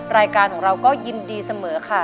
รายการของเราก็ยินดีเสมอค่ะ